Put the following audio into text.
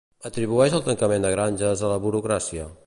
Atribueix el tancament de granges a la burocràcia.